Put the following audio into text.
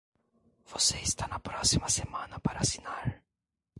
Você está na próxima semana para assinar?